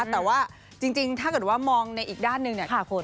แต่ว่าจริงถ้าเกิดว่ามองในอีกด้านหนึ่งเนี่ย